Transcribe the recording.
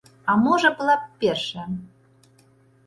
А можа была б першая.